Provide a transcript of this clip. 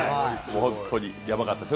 本当にやばかったです。